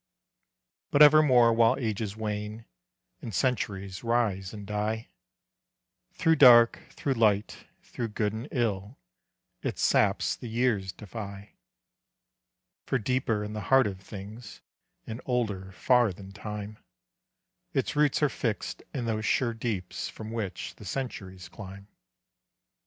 But evermore while ages wane, And centuries rise and die, Through dark, through light, through good and ill, Its saps the years defy. For deeper in the heart of things, And older far than time, Its roots are fixed in those sure deeps From which the centuries climb.